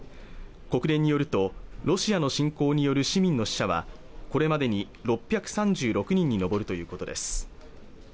国連によるとロシアの侵攻による市民の死者はこれまでに６３６人に上るということです